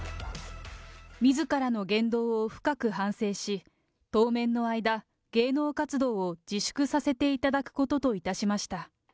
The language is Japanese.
みずからの言動を深く反省し、当面の間、芸能活動を自粛させていただくことといたしました。